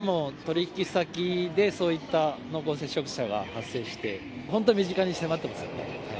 仕事場でも取り引き先でそういった濃厚接触者が発生して、本当、身近に迫ってますよね。